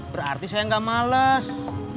berarti saya gak males